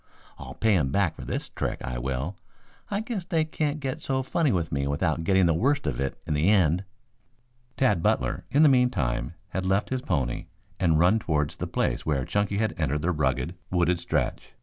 I'll pay 'em back for this trick, I will. I guess they can't get so funny with me without getting the worst of it in the end." Tad Butler, in the meantime, had left his pony and run towards the place where Chunky had entered the rugged, wooded stretch.